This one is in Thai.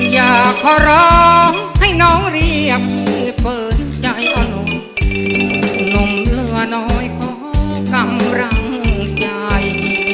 อย่าขอร้องให้น้องเรียกที่เปิดใจของหนุ่มหนุ่มเหลือน้อยของกำรังใจ